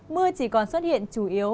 mưa chỉ còn xuất hiện chủ yếu